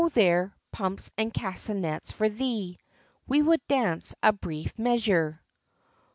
there, pumps and castanets for three, We would dance a brief measure.